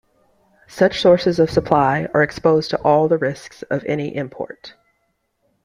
Such sources of supply are exposed to all the risks of any import.